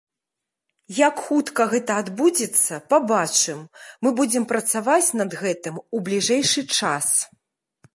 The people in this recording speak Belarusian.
Як хутка гэта адбудзецца, пабачым, мы будзем працаваць над гэтым у бліжэйшы час.